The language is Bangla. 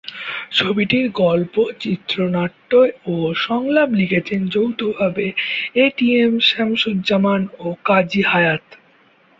ছবিটির গল্প, চিত্রনাট্য ও সংলাপ লিখেছেন যৌথভাবে এটিএম শামসুজ্জামান ও কাজী হায়াৎ।